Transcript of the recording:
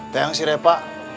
tengang si repa